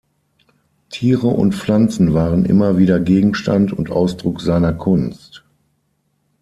Tiere und Pflanzen waren immer wieder Gegenstand und Ausdruck seiner Kunst.